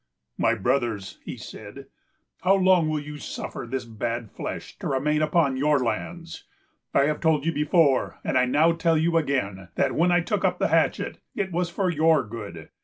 "My brothers," he said, "how long will you suffer this bad flesh to remain upon your lands? I have told you before, and I now tell you again, that when I took up the hatchet, it was for your good.